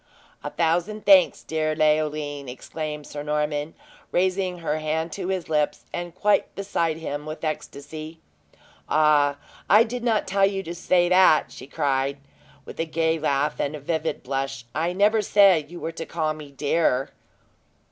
"A thousand thanks, dear Leoline!" exclaimed Sir Norman, raising her hand to his lips, and quite beside himself with ecstasy. "Ah, I did not tell you to say that!" she cried, with a gay laugh and vivid blush. "I never said you were to call me dear."